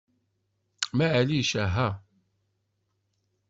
Maɛlic, aha!